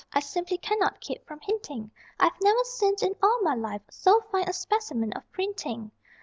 I simply cannot keep from hinting I've never seen, in all my life, So fine a specimen of printing.